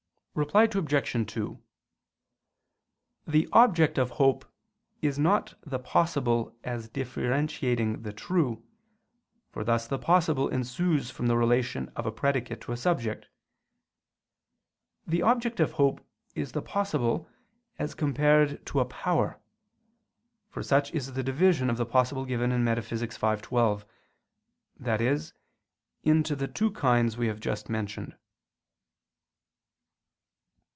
Reply Obj. 2: The object of hope is not the possible as differentiating the true, for thus the possible ensues from the relation of a predicate to a subject. The object of hope is the possible as compared to a power. For such is the division of the possible given in Metaph. v, 12, i.e. into the two kinds we have just mentioned.